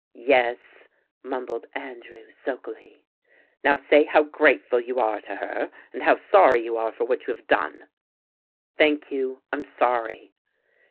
"Yes," mumbled Andrew sulkily. "Now say how grateful you are to her and how sorry you are for what you have done." "Thank you, I'm sorry."